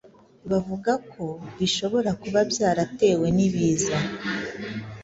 bavuga ko bishobora kuba byaratewe n’ibiza